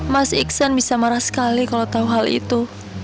mas iksan bisa marah sekali kalau tahu hal itu